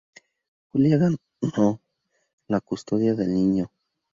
Julia ganó la custodia del niño.